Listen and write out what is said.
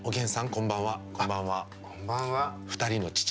こんばんは。